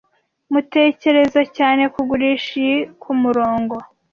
Mutekereza cyane kugurisha iyi kumurongo?